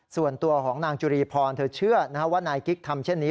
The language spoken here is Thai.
ส่วนตัวของนางจุรีพรเธอเชื่อว่านายกิ๊กทำเช่นนี้